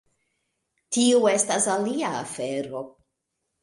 Tiu estas alia afero.